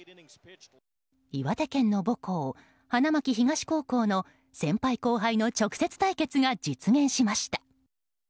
岩手県の母校・花巻東高校の先輩・後輩の直接対決が実現しました。